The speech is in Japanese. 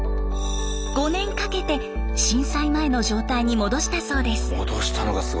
５年かけて震災前の状態に戻したそうです。